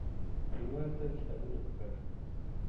هېواد ته کتابونه پکار دي